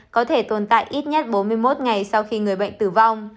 có thể tồn tại ít nhất bốn mươi một ngày sau khi người bệnh tử vong